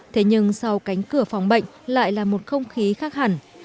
thế nhưng sau cánh cửa phòng bệnh lại là một không khí khác hẳn